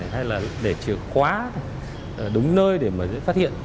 hay là để chìa khóa đúng nơi để mà dễ phát hiện